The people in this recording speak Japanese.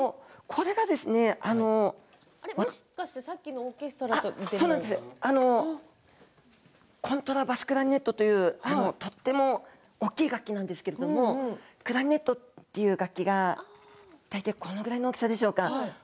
これはコントラバスクラリネットというとても大きな楽器なんですけれどもクラリネットという楽器が大体このぐらいの大きさでしょうか。